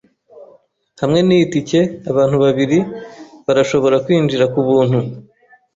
Hamwe niyi tike, abantu babiri barashobora kwinjira kubuntu.